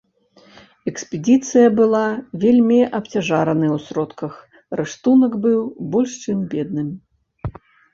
Экспедыцыя была вельмі абцяжаранай у сродках, рыштунак быў больш чым бедным.